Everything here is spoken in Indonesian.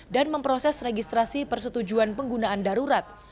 dan memproses registrasi persetujuan penggunaan darurat